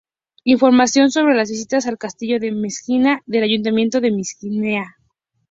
Información sobre las visitas al Castillo de Mequinenza del Ayuntamiento de Mequinenza